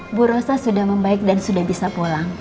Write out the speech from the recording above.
ibu rosa sudah membaik dan sudah bisa pulang